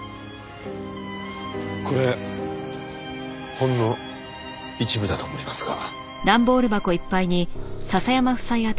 これほんの一部だと思いますが。